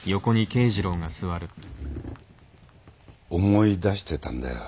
思い出してたんだよ。